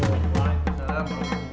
eh bukan aneh